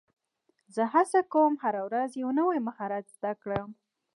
زه هڅه کوم، چي هره ورځ یو نوی مهارت زده کړم.